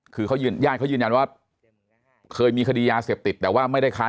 คือเขายืนญาติเขายืนยันว่าเคยมีคดียาเสพติดแต่ว่าไม่ได้ค้า